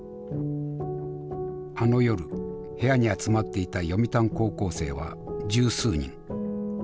あの夜部屋に集まっていた読谷高校生は十数人。